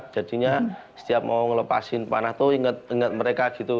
jadinya setiap mau melepaskan panah itu ingat mereka gitu